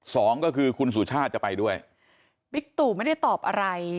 สองก็คือคุณสุชาติจะไปด้วยบิ๊กตู่ไม่ได้ตอบอะไร